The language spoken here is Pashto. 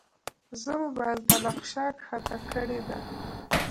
زه موبایل ته نقشه ښکته کړې ده.